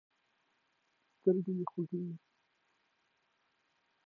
سترګۍ مه کیږئ.